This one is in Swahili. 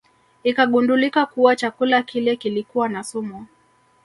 Ikagundulika kuwa chakula kile kilikuwa na sumu